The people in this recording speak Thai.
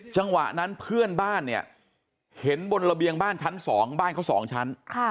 จังหวะนั้นเพื่อนบ้านเนี่ยเห็นบนระเบียงบ้านชั้น๒บ้านเขา๒ชั้น